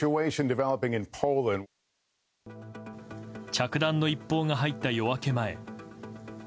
着弾の一報が入った夜明け前。